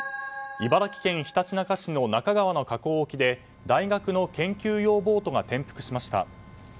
茨城県ひたちなか市の那珂川の河口沖で大学の研究用ボートが転覆しました。